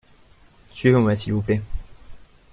Suivez-moi s’il vous plait.